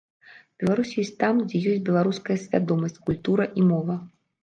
Беларусь ёсць там, дзе ёсць беларуская свядомасць, культура і мова.